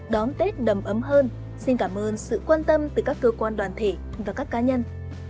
đón tết đầm ấm hơn xin cảm ơn sự quan tâm từ các cơ quan đoàn thể và các cá nhân